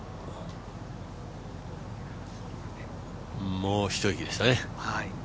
もう一息でしたね。